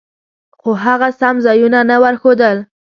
خو هغه سم ځایونه نه ورښودل.